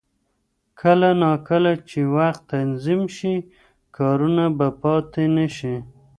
کله نا کله چې وخت تنظیم شي، کارونه به پاتې نه شي.